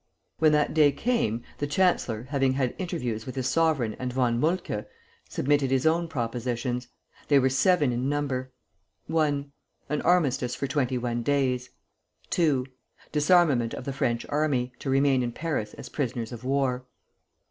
"] When that day came, the chancellor, having had interviews with his sovereign and Von Moltke, submitted his own propositions. They were seven in number: I. An armistice for twenty one days. II. Disarmament of the French army, to remain in Paris as prisoners of war.